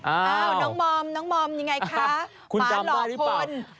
อ้าวน้องมอมน้องมอมยังไงคะหมาหล่อพล